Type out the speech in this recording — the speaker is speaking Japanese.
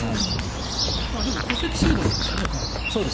でも戸籍制度なんですよね韓国は。